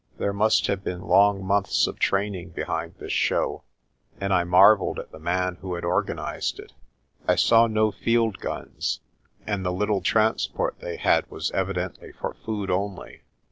There must have been long months of training behind this show, and I marvelled at the man who had organised it. I saw no fieldguns, and the little transport they had was evidently for food only.